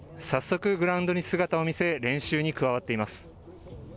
早速グラウンドに姿を見せ練習に加わっています。